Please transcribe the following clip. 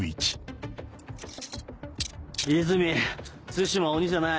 和泉対馬は鬼じゃない。